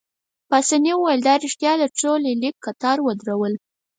پاسیني وویل: دا ريښتیا ده، ټول يې لیک قطار ودرول.